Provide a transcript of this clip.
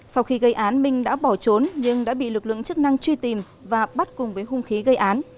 sau khi gây án minh đã bỏ trốn nhưng đã bị lực lượng chức năng truy tìm và bắt cùng với hung khí gây án